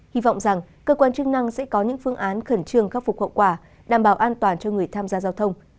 hy vọng rằng cơ quan chức năng sẽ có những phương án khẩn trương khắc phục hậu quả đảm bảo an toàn cho người tham gia giao thông